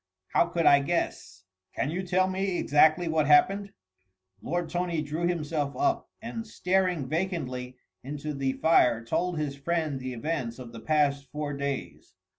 How could I guess?" "Can you tell me exactly what happened?" Lord Tony drew himself up, and staring vacantly into the fire told his friend the events of the past four days.